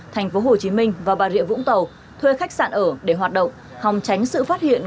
thành phố hồ chí minh và bà rịa vũng tàu thuê khách sạn ở để hoạt động hòng tránh sự phát hiện